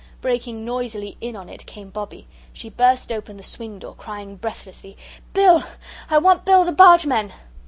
Breaking noisily in on it came Bobbie. She burst open the swing door crying breathlessly: "Bill! I want Bill the Bargeman."